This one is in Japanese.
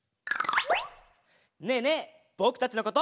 ねえねえぼくたちのことよんだ？